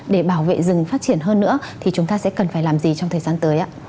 để bảo vệ rừng phát triển hơn nữa thì chúng ta sẽ cần phải làm gì trong thời gian tới ạ